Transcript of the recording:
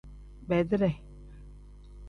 Beedire.